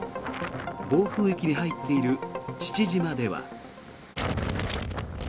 暴風域に入っている父島では。